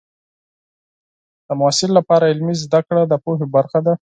د محصل لپاره عملي زده کړه د پوهې برخه ده.